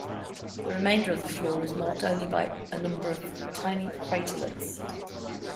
The remainder of the floor is marked only by a number of tiny craterlets.